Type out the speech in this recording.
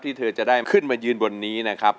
เธอจะได้ขึ้นมายืนบนนี้นะครับ